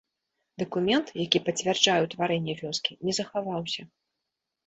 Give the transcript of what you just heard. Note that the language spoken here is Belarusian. Дакумент, які пацвярджае ўтварэнне вёскі, не захаваўся.